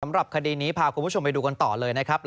สำหรับคดีนี้พาคุณผู้ชมไปดูกันต่อเลยนะครับ